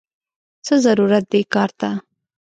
څه ضرورت دې کار ته!!